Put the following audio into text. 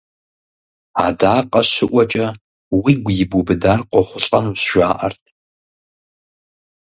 Адакъэ щыӀуэкӀэ уигу ибубыдар къохъулӀэнущ, жаӀэрт.